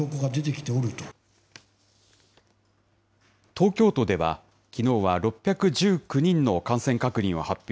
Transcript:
東京都では、きのうは６１９人の感染確認を発表。